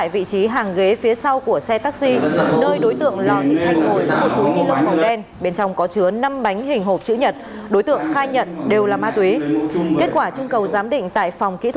vì vậy nhiều người đã trở tay không kịp